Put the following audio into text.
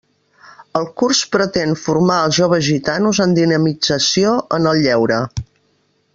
El curs pretén formar els joves gitanos en dinamització en el lleure.